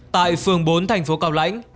tại phường bốn thành phố cào lãnh